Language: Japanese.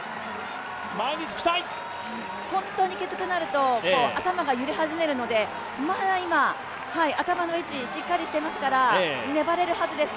本当にきつくなると頭が揺れ始めるので、まだ今、頭の位置しっかりしていますから粘れるはずです。